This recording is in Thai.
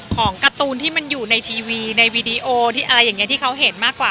ของการ์ตูนที่มันอยู่ในทีวีในวีดีโอที่อะไรอย่างนี้ที่เขาเห็นมากกว่า